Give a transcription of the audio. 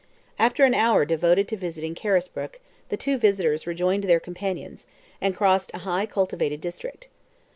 After an hour devoted to visiting Carisbrook, the two visitors rejoined their companions, and crossed a highly cultivated district.